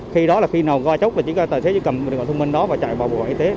khi đó là khi nào qua chốt là tài xế chỉ cầm điện thoại thông minh đó và chạy vào bộ phận y tế